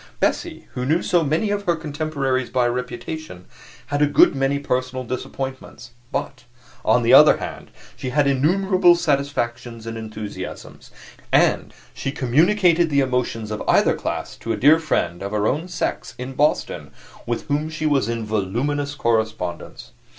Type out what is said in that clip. Bessie, who knew so many of her contemporaries by reputation, had a good many personal disappointments; but, on the other hand, she had innumerable satisfactions and enthusiasms, and she communicated the emotions of either class to a dear friend, of her own sex, in Boston, with whom she was in voluminous correspondence.